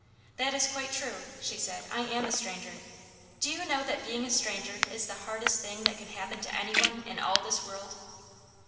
"That is quite true," she said. "I am a stranger. Do you know that being a stranger is the hardest thing that can happen to any one in all this world?"